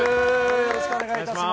よろしくお願いします。